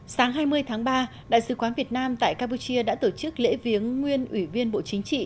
sáng hai mươi tháng ba đại sứ quán việt nam tại campuchia đã tổ chức lễ viếng nguyên ủy viên bộ chính trị